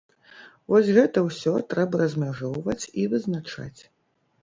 Вось гэта ўсё трэба размяжоўваць і вызначаць.